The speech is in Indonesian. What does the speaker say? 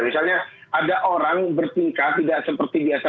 misalnya ada orang bertingkat tidak seperti biasa